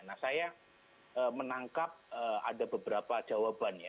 nah saya menangkap ada beberapa jawabannya